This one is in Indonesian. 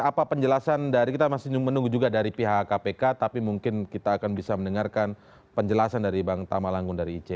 apa penjelasan dari kita masih menunggu juga dari pihak kpk tapi mungkin kita akan bisa mendengarkan penjelasan dari bang tama langun dari ic